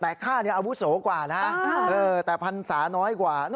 แต่ข้านี้อาวุธสูงกว่าแต่พันศาน้อยกว่า